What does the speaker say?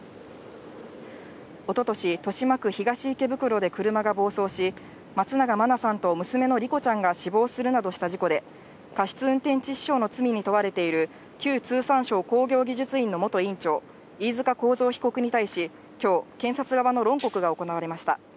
おととし、豊島区東池袋で車が暴走し、松永真菜さんと娘の莉子ちゃんが死亡するなどした事故で、過失運転致死傷の罪に問われている、旧通産省工業技術院の元院長、飯塚幸三被告に対し、きょう、検察側の論告が行われました。